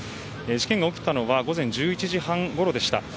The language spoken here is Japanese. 事件が起きたのは午前１１時半ごろでした。